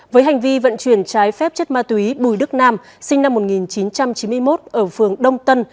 với hành vi vận chuyển trái phép chất ma túy bùi đức nam sinh năm một nghìn chín trăm chín mươi một ở phường đông tân